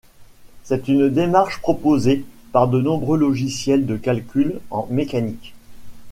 C'est une démarche proposée par de nombreux logiciels de calcul en mécanique.